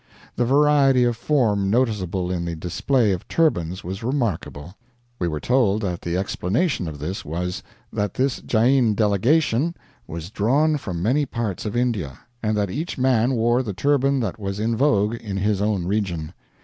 The variety of form noticeable in the display of turbans was remarkable. We were told that the explanation of this was, that this Jain delegation was drawn from many parts of India, and that each man wore the turban that was in vogue in his own region.